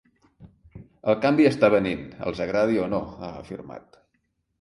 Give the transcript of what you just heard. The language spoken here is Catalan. El canvi està venint els agradi o no, ha afirmat.